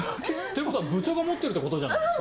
いうことは部長が持ってるってことじゃないですか？